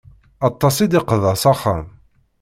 Aṭas i d-iqḍa s axxam.